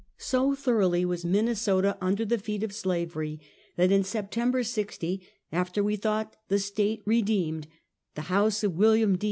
So thoroughly was Minnesota under the feet of slavery, that in September, 'GO — after we thought the State redeemed — the house of William D.